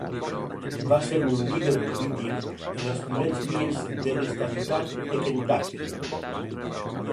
Va ser un líder polític en els primers dies de "l'estaditat" de Kentucky.